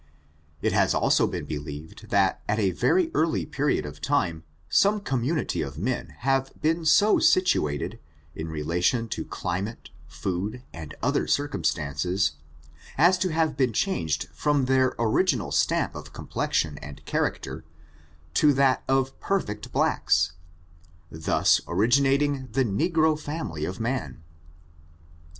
It has also been believed, that, at a very early period of time, some community of men have been so situated, in rela tion to climcUe, food, and other circumstances, as to have been changed from their original stamp of complexion and character, to that of perfect blacks, thus originating the negro family of man.